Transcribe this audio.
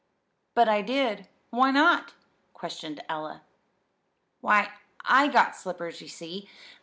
"But I did. Why not?" questioned Ella. "Why, I got slippers, you see.